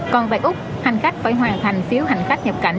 còn tại úc hành khách phải hoàn thành phiếu hành khách nhập cảnh